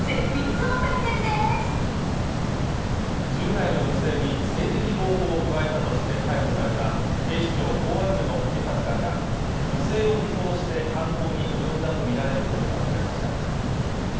１０代の女性に性的暴行を加えたとして逮捕された警視庁公安部の警察官が女性を尾行して犯行に及んだと見られることが分かりました